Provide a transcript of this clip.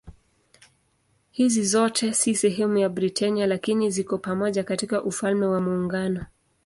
Hizi zote si sehemu ya Britania lakini ziko pamoja katika Ufalme wa Muungano.